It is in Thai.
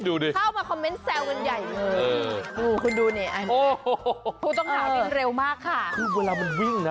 ดูดิเข้ามาคอมเมนต์แซวเงินใหญ่เกิน